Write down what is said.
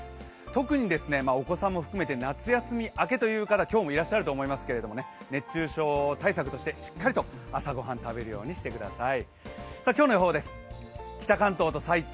特にお子さんも含めて夏休み明けという方、今日もいらっしゃると思いますけれども熱中症対策としてしっかりと朝ごはん食べるようにしてください。